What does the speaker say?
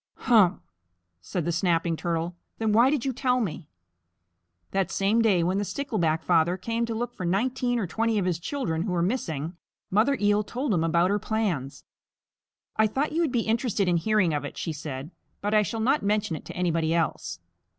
"Humph!" said the Snapping Turtle. "Then why did you tell me?" That same day when the Stickleback Father came to look for nineteen or twenty of his children who were missing, Mother Eel told him about her plans. "I thought you would be interested in hearing of it," she said, "but I shall not mention it to anybody else."